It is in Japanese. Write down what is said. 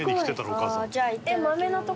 お母さん」